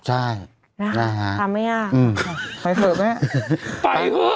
ใช่นะฮะทำไม่ยากไปเถอะแม่ไปเถอะ